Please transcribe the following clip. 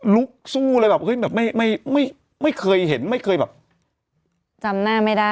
ลุกสู้เลยแบบเฮ้ยแบบไม่ไม่เคยเห็นไม่เคยแบบจำหน้าไม่ได้